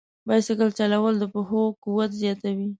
بایسکل چلول د پښو قوت زیاتوي.